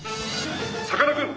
さかなクン！